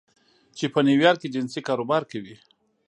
چې په نیویارک کې جنسي کاروبار کوي